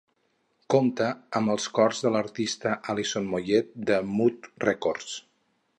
Compta amb els cors de l'artista Alison Moyet de Mute Records.